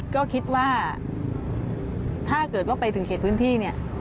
ก็คิดว่าถ้าเกิดว่าไปถึงเขตพื้นที่เนี่ย